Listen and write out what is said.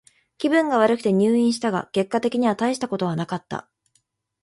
気分が悪くて入院したが、結果的にはたいしたことはなかった。